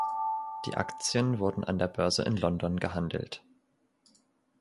Die Aktien wurden an der Börse in London gehandelt.